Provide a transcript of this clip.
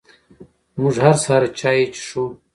موږ هر سهار چای څښي🥃